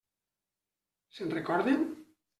Se'n recorden?